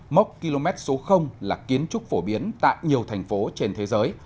mốc km số là kiến trúc phổ biến tại nhiều thành phố trên thế giới